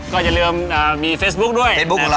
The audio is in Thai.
ก็จะเริ่มมีเฟสบุ๊คด้วย